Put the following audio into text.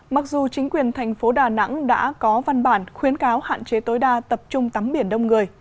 mặc dù chính quyền thành phố đà nẵng đã có văn bản khuyến cáo hạn chế tối đa tập trung tắm biển đông người